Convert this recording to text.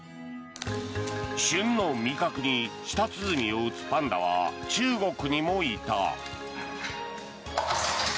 旬の味覚に舌鼓を打つパンダは中国にもいた。